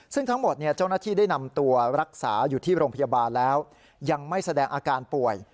ซึ่งทั้งหมดเจ้าหน้าที่ได้นำตัวรักษาอยู่ที่โรงพยาบาลแล้วยังไม่แสดงอาการป่วย